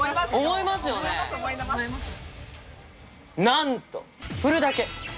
なんと振るだけ！